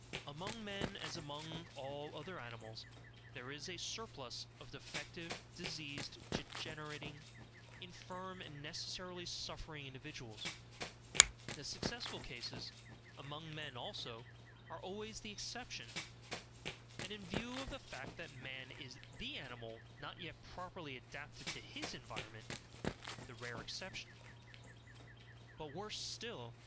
Among men, as among all other animals, there is a surplus of defective, diseased, degenerating, infirm, and necessarily suffering individuals; the successful cases, among men also, are always the exception; and in view of the fact that man is THE ANIMAL NOT YET PROPERLY ADAPTED TO HIS ENVIRONMENT, the rare exception. But worse still.